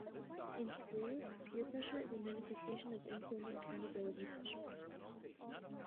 In schools, peer pressure is a manifestation of informal accountability pressure.